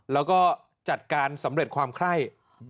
แล้วก็จัดการสำเร็จความไคร่